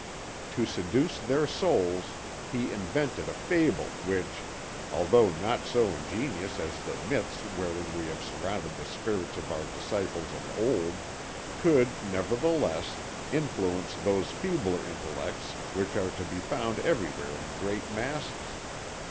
To seduce their souls he invented a fable which, although not so ingenious as the myths wherewith we have surrounded the spirits of our disciples of old, could, nevertheless, influence those feebler intellects which are to be found everywhere in great masses.